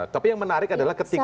tapi yang menarik adalah ketika